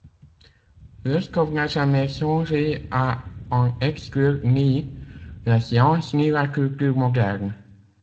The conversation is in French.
Leskov n'a jamais songé à en exclure ni la science ni la culture moderne.